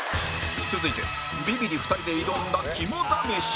続いてビビリ２人で挑んだ肝試し